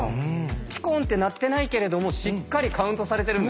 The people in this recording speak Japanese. ピコンって鳴ってないけれどもしっかりカウントされてるんですね。